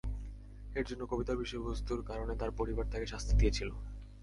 এর জন্য কবিতার বিষয়বস্তুর কারণে তার পরিবার তাকে শাস্তি দিয়েছিল।